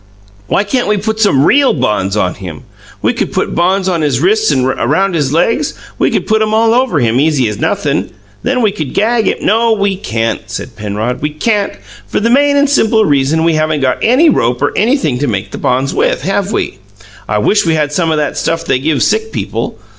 "Why can't we put some REAL bonds on him? We could put bonds on his wrists and around his legs we could put 'em all over him, easy as nothin'. Then we could gag him " "No, we can't," said Penrod. "We can't, for the main and simple reason we haven't got any rope or anything to make the bonds with, have we? I wish we had some o' that stuff they give sick people.